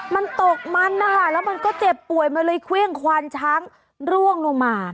มันตกมันนะคะแล้วมันก็เจ็บป่วยมันเลยเครื่องควานช้างร่วงลงมา